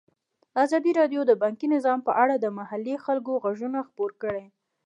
ازادي راډیو د بانکي نظام په اړه د محلي خلکو غږ خپور کړی.